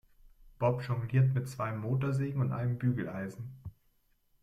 Bob jongliert mit zwei Motorsägen und einem Bügeleisen.